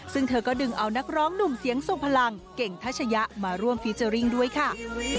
ซึ่งเธอก็ดึงเอานักร้องหนุ่มเสียงทรงพลังเก่งทัชยะมาร่วมฟีเจอร์ริ่งด้วยค่ะ